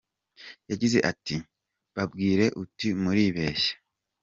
Yagize ati “Babwire uti ‘muribeshya !